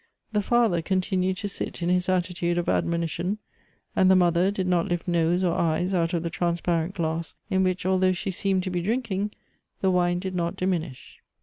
The father continued to sit in his attitude of admonition, and the mother did not lift nose or oyer! out of the trans parent glass, in which, although she seemed to be drink ing, the wine did not diminish.